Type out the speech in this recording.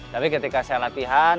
tapi ketika saya latihan